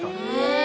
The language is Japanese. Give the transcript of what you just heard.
え！